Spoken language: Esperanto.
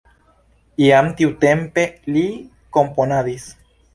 Jam tiutempe li komponadis.